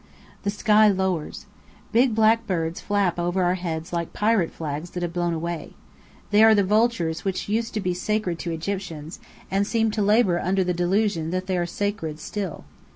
The sky lowers. Big black birds flap over our heads like pirate flags that have blown away. They are the vultures which used to be sacred to Egyptians, and seem to labour under the delusion that they are sacred still.